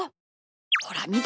ほらみて！